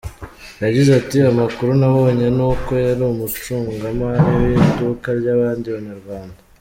Yagize ati "Amakuru nabonye ni uko yari umucungamari w’iduka ry’abandi banyarwanda.